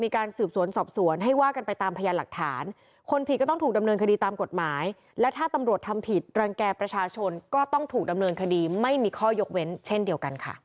ความร้องทุกทั้งสองฝ่าย